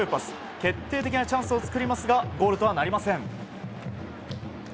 決定的なチャンスを作りますがゴールとはなりません。